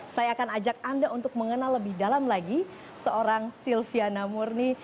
saya akan ajak anda untuk mengenal lebih dalam lagi seorang silviana murni